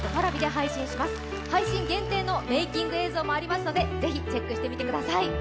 配信限定のメーキング映像もありますので是非チェックしてみてください。